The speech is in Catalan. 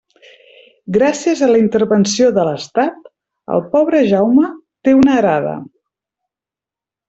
Gràcies a la intervenció de l'estat, el pobre Jaume té una arada.